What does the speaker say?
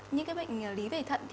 những bệnh lý về thận